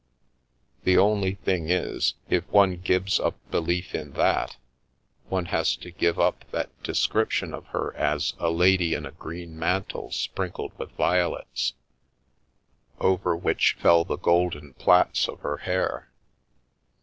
The only thing is, if one gives up belief in that, one has to give up that de scription of her as ' a lady in a green mantle sprinkled with violets, over which fell the golden plaits of her hair.'